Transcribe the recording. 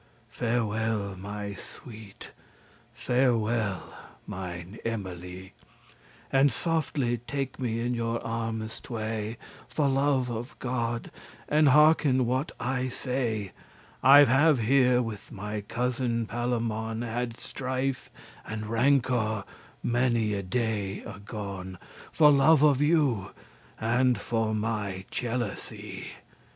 Farewell, my sweet, farewell, mine Emily, And softly take me in your armes tway, For love of God, and hearken what I say. I have here with my cousin Palamon Had strife and rancour many a day agone, For love of you, and for my jealousy.